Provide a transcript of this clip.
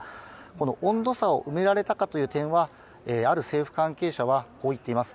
この温度差を埋められたかという点はある政府関係者はこう言っています。